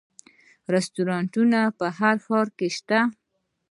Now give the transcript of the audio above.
رستورانتونه په هر ښار کې شته